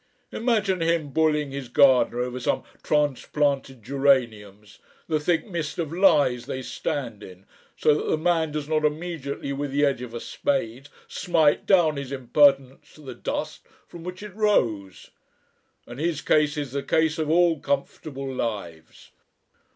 Imagine him bullying his gardener over some transplanted geraniums, the thick mist of lies they stand in, so that the man does not immediately with the edge of a spade smite down his impertinence to the dust from which it rose.... And his case is the case of all comfortable lives.